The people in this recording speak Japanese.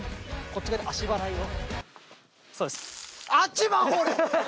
こっち側で足払いを。